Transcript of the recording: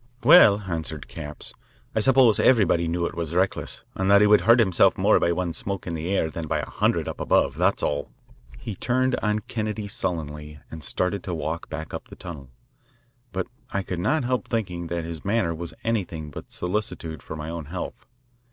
"Well," answered Capps, "I supposed everybody knew it was reckless, and that he would hurt himself more by one smoke in the air than by a hundred up above. That's all." He turned on Kennedy sullenly, and started to walk back up the tunnel. But I could not help thinking that his manner was anything but solicitude for my own health.